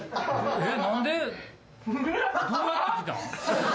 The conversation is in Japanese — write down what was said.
えっ！？